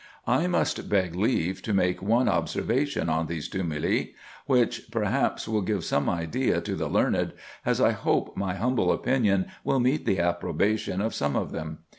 I must beg leave to make one observation on these tumuli, which, perhaps, will give some idea to the learned, as I hope my humble opinion will meet the approbation of some of them.